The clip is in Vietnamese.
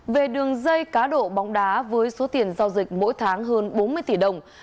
về đường dây cá độ bóng đá với số tiền giao dịch mỗi tháng hơn bốn mươi tỷ đồng